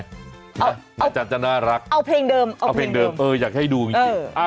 น่าจะน่ารักเอาเพลงเดิมเอออยากให้ดูง่าย